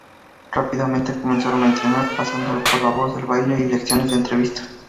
Rápidamente comenzaron a entrenar, pasando por la voz, el baile, y lecciones de entrevista.